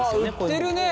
あ売ってるね！